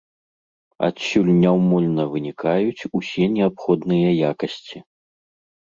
Адсюль няўмольна вынікаюць усе неабходныя якасці.